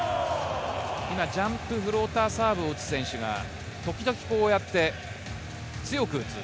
ジャンプフローターサーブを打つ選手が時々こうやって強く打つ。